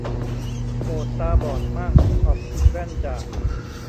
โหมดตาบอดมั่ง ขอบคุณแว่นจาก